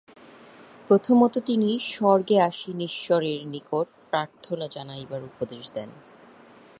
প্রথমত তিনি স্বর্গে আসীন ঈশ্বরের নিকট প্রার্থনা জানাইবার উপদেশ দেন।